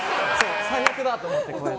最悪だと思って。